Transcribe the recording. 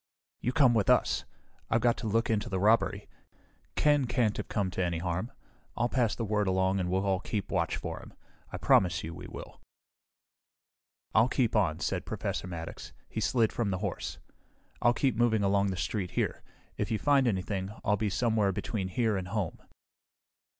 "You come with us. I've got to look into the robbery. Ken can't have come to any harm. I'll pass the word along and we'll all keep watch for him. I promise you we will." "I'll keep on," said Professor Maddox. He slid from the horse. "I'll keep moving along the street here. If you find anything, I'll be somewhere between here and home."